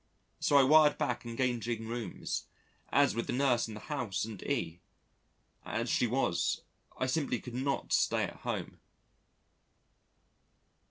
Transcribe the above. So I wired back engaging rooms, as with the nurse in the house and E as she was, I simply could not stay at home....